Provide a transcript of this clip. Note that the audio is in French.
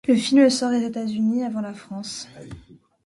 Le film sort aux États-Unis avant la France.